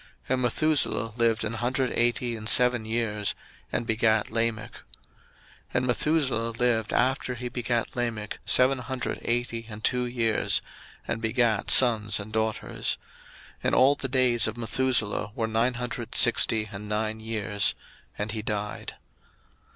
01:005:025 And Methuselah lived an hundred eighty and seven years, and begat Lamech. 01:005:026 And Methuselah lived after he begat Lamech seven hundred eighty and two years, and begat sons and daughters: 01:005:027 And all the days of Methuselah were nine hundred sixty and nine years: and he died.